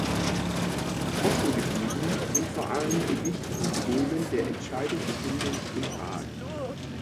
Offengeblieben sind vor allem die wichtigen Themen der Entscheidungsfindung im Rat.